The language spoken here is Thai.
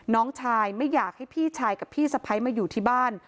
น้องชายไม่อยากให้พี่ชายกับพี่สะพ้ายมาอยู่ที่บ้าน